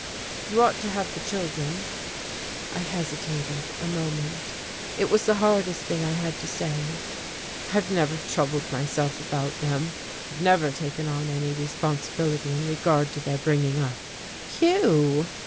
You ought to have the children " I hesitated a moment. It was the hardest thing I had to say. "I've never troubled myself about them, I've never taken on any responsibility in regard to their bringing up." "Hugh!"